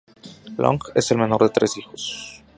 Long es el menor de tres hijos.